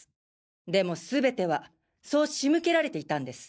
でもすべてはそう仕向けられていたんです。